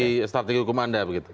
ini strategi hukuman anda begitu